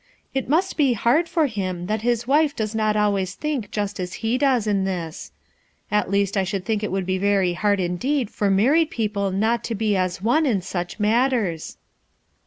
It must be bard for him that his wife does not always think just as he does in tliis. At least I should think it would be very hard indeed for married people not to be as one in such matters."